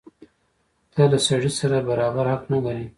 ته له سړي سره برابر حق نه لرې.